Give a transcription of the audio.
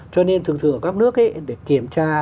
cho nên thường thường ở các nước để kiểm tra